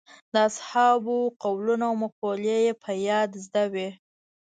د اصحابو قولونه او مقولې یې په یاد زده وې.